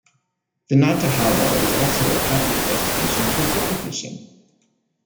The Nantahala is also a popular destination for fly fishing.